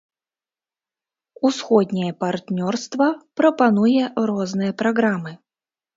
Усходняе партнёрства прапануе розныя праграмы.